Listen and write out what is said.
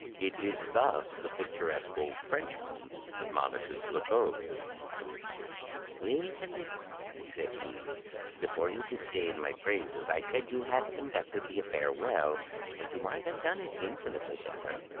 It is thus the picturesque old Frenchman admonishes Lecoq: *'Wait a little," said he, "before you disdain my praises. I said you had conducted the affair well, but you might have done it infinitely better.